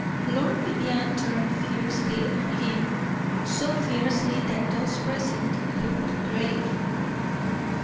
Lord Vivianne turned fiercely on him so fiercely that those present looked grave.